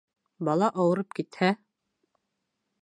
Бала ауырып китһә